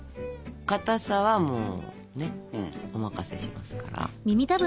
かたさはもうねお任せしますから。